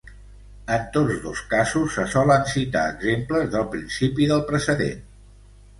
En tots dos casos se solen citar exemples del principi del precedent.